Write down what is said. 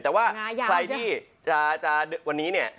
แต่ว่าใครที่จะวันนี้เนี่ย